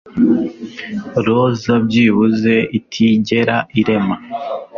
Roza byibuze itigera irema